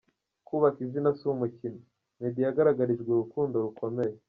Kubaka izina si umukino, Meddy yagaragarijwe urukundo rukomeye.